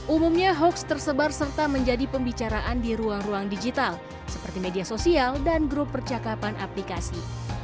umumnya hoax tersebar serta menjadi pembicaraan di ruang ruang digital seperti media sosial dan grup percakapan aplikasi